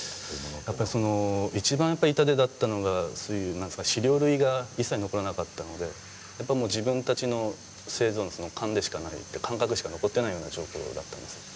やっぱりその一番痛手だったのがそういう資料類が一切残らなかったので自分たちの製造の勘でしかない感覚しか残ってないような状況だったんですね。